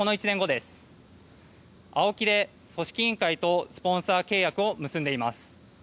ＡＯＫＩで組織委員会とスポンサー契約を結んでいます。